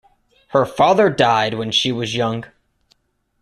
Her father died when she was young.